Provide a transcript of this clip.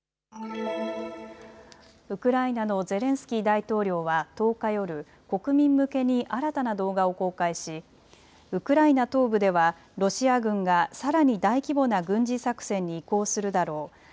ウクライナのゼレンスキー大統領は１０日夜、国民向けに新たな動画を公開しウクライナ東部ではロシア軍がさらに大規模な軍事作戦に移行するだろう。